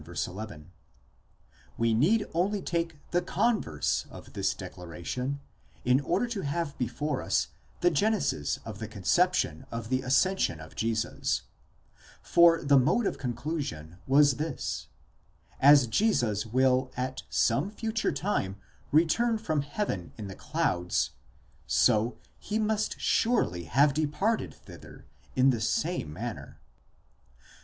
11): we need only take the converse of this declaration in order to have before us the genesis of the conception of the ascension of Jesus ; for the mode of conclusion was this: as Jesus will at some 'future time return from heaven in the clouds, so he must surely have departed thither 15 in the same manner.